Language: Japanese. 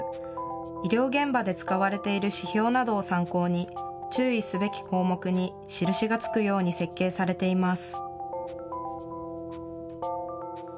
医療現場で使われている指標などを参考に、注意すべき項目に印がつくように設計されています。